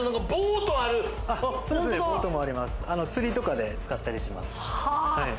釣りとかで使ったりします。